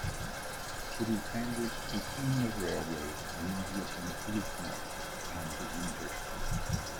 It is sandwiched between the railroad, immediately to its north, and the interstate.